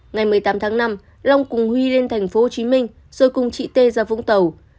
ngày một mươi tám tháng năm long cùng huy lên tp hcm rồi cùng chị tê ra vũng tàu